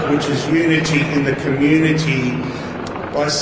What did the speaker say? yaitu keunis di komunitas